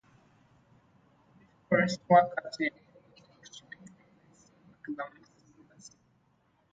Polish forest workers were able to document the events and mark the mass graves.